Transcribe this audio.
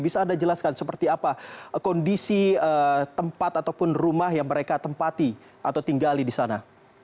bisa anda jelaskan seperti apa kondisi tempat ataupun rumah yang mereka tempati atau tinggali di sana